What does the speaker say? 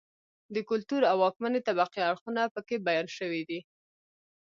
د کلتور او واکمنې طبقې اړخونه په کې بیان شوي دي.